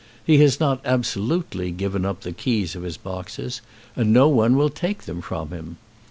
He has not absolutely given up the keys of his boxes, and no one will take them from him.